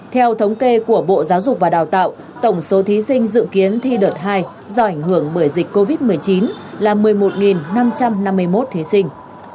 theo thống kê của bộ giáo dục và đào tạo tổng số thí sinh dự kiến thi đợt hai do ảnh hưởng bởi dịch covid một mươi chín là một mươi một năm trăm năm mươi một thí sinh